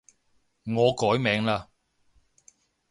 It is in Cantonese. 我改名嘞